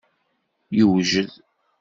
Yewjed.